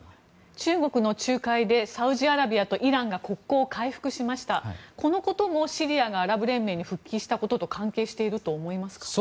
中国の介入でサウジアラビアとイランが国交を回復したこともシリアがアラブ連盟に復帰したことと関係していますか。